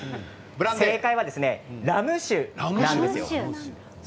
正解はラム酒なんです。